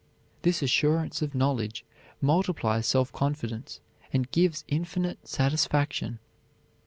This assurance of knowledge multiplies self confidence and gives infinite satisfaction.